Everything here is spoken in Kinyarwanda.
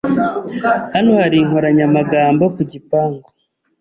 Hano hari inkoranyamagambo ku gipangu.